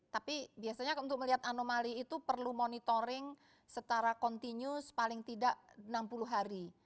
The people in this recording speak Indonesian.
tapi biasanya untuk melihat anomali itu perlu monitoring setara continue paling tidak enam puluh hari